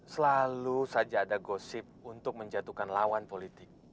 selalu saja ada gosip untuk menjatuhkan lawan politik